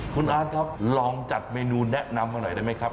คุณอาร์ตครับลองจัดเมนูแนะนำมาหน่อยได้ไหมครับ